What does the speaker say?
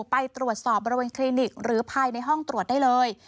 ไปตรวจสอบบริเวณคลินิกหรือภายในห้องตรวจได้เลย